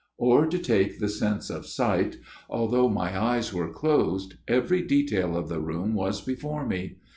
" Or to take the sense of sight. Although my eyes were closed every detail of the room was before me.